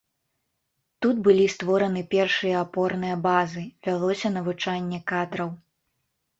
Тут былі створаны першыя апорныя базы, вялося навучанне кадраў.